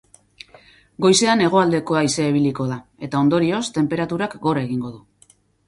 Goizean hegoaldeko haizea ibiliko da eta ondorioz, tenperaturak gora egingo du.